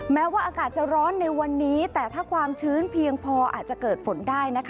แม้ว่าอากาศจะร้อนในวันนี้แต่ถ้าความชื้นเพียงพออาจจะเกิดฝนได้นะคะ